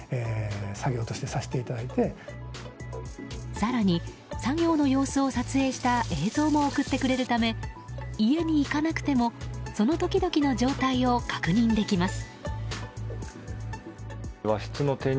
更に、作業の様子を撮影した映像も送ってくれるため家に行かなくてもその時々の状態を確認できます。